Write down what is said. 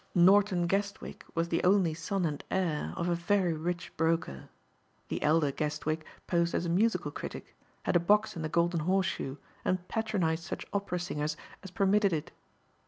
Norton Guestwick was the only son and heir of a very rich broker. The elder Guestwick posed as a musical critic, had a box in the Golden Horseshoe and patronized such opera singers as permitted it.